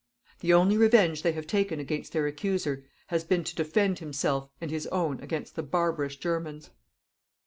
The only revenge they have taken against their accuser has been to defend himself and his own against the barbarous Germans.